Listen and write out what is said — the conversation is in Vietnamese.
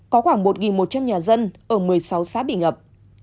có khoảng một một trăm linh nhà dân ở một mươi sáu xã bị ngập